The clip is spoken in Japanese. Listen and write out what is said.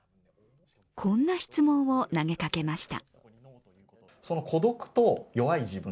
こんな質問を投げかけました。